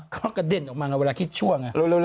เขากระเด็นออกมาไงเวลาคิดชั่วไง